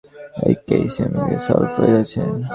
এই কেইস এমনিতেই, সলভ হয়ে যাচ্ছে।